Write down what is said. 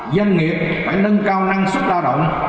doanh nghiệp phải nâng cao năng sức lao động